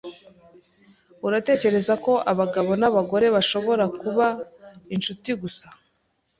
Uratekereza ko abagabo n'abagore bashobora kuba inshuti gusa?